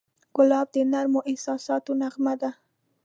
ګلاب د نرمو احساساتو نغمه ده.